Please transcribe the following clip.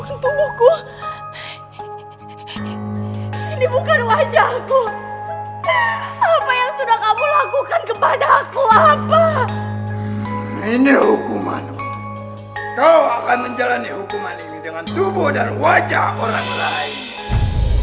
kau lakukan kau akan menjalani hukuman ini dengan tubuh dan wajah orang lain